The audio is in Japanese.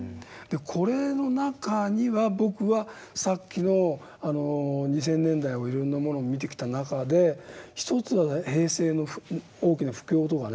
これの中には僕はさっきの２０００年代をいろんなものを見てきた中で一つは平成の大きな不況とかね